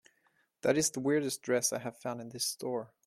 That is the weirdest dress I have found in this store.